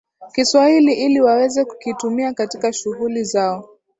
Kiswahili ili waweze kukitumia katika sughuli zao